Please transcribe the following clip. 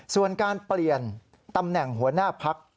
ส่วนการเปลี่ยนตำแหน่งหัวหน้าพัก